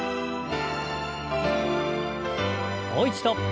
もう一度。